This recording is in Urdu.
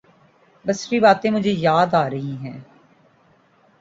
بسری باتیں مجھے یاد آ رہی ہیں۔